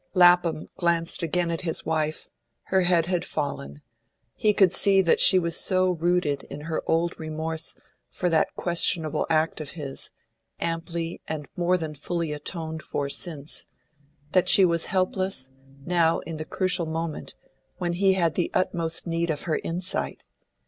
Lapham glanced again at his wife; her head had fallen; he could see that she was so rooted in her old remorse for that questionable act of his, amply and more than fully atoned for since, that she was helpless, now in the crucial moment, when he had the utmost need of her insight.